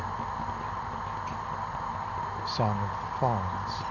SONG OF THE FAUNS.